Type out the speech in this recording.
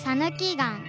がん